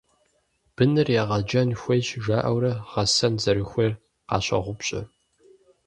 «Быныр егъэджэн хуейщ» жаӀэурэ, гъэсэн зэрыхуейр къащогъупщэ.